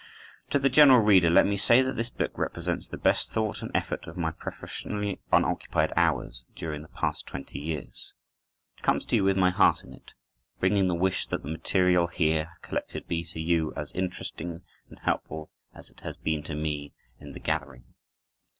To the general reader let me say that this book represents the best thought and effort of my professionally unoccupied hours during the past twenty years. It comes to you with my heart in it, bringing the wish that the material here collected may be to you as interesting and helpful as it has been to me in the gathering.